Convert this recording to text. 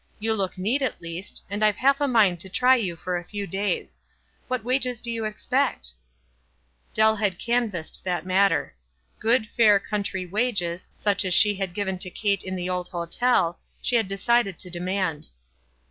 You look neat, at least, and I've half a mind to try 3 r ou for a few days. "What w r nges do you expect?" Dell had canvassed that matter. Good, fair country wages, such as she had given to Kate in the old hotel, she had decided to demand.